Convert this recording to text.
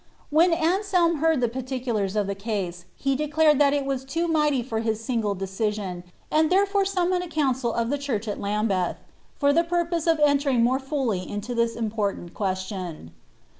WIwb Aneplin heard ihe partirulars of the case, he declared Umt ii wm lm mighty for his single derision, and therefore stimnionetl a council »f llw church at Lambeth, for the ptirpose of entering more fully into this io porlant question.'